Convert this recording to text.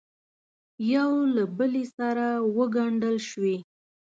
یو دبلې سره وګنډل شوې